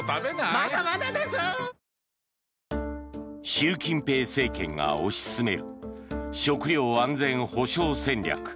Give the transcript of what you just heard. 習近平政権が推し進める食料安全保障戦略。